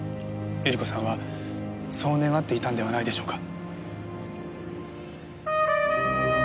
百合子さんはそう願っていたんではないでしょうか。